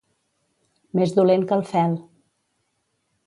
Més dolent que el fel.